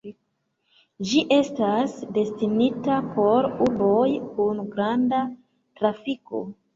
Ĝi estas destinita por urboj kun granda trafiko.